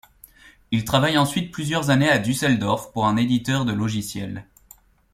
Il travaille ensuite plusieurs années à Düsseldorf pour un éditeur de logiciels.